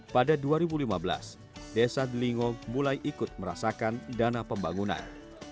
pada dua ribu lima belas desa delingo mulai ikut merasakan dana pembangunan